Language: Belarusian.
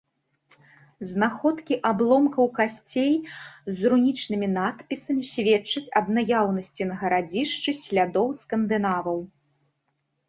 Знаходкі абломкаў касцей з рунічнымі надпісамі сведчаць аб наяўнасці на гарадзішчы слядоў скандынаваў.